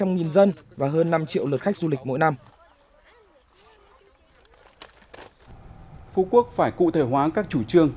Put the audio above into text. nghìn dân và hơn năm triệu lượt khách du lịch mỗi năm phú quốc phải cụ thể hóa các chủ trương